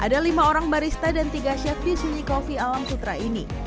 ada lima orang barista dan tiga chef di sunyi kopi alam sutra ini